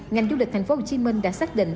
ngành du lịch thành phố hồ chí minh đã xác định